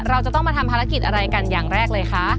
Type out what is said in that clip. เราจะต้องมาทำภารกิจอะไรกันอย่างแรกเลยคะ